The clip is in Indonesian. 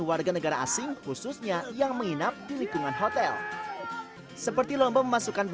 warga negara asing khususnya yang menginap di lingkungan hotel seperti lomba memasukkan